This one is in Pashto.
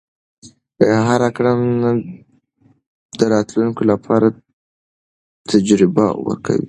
هره کړنه د راتلونکي لپاره تجربه ورکوي.